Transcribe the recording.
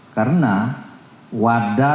karena wadas berkata